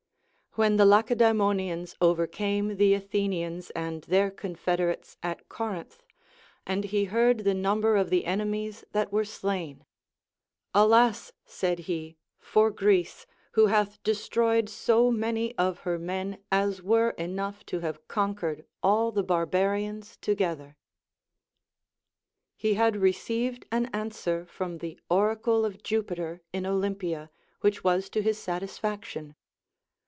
AVhen the Lacedaemonians overcame the Athenians and their confederates at Corinth, and he 220 THE APOPHTHEGMS OF KINGS heard the number of the enemies that were slain ; Alas, said he, for Greece, who hath destroyed so many of her men as were enough to have conquered all the barbarians to gether. He had received an answer from the Oracle of Jupiter in Olympia, which was to his satisfaction.